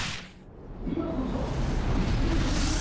今こそ見せるときよ！